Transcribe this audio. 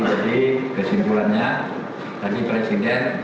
jadi kesimpulannya tadi presiden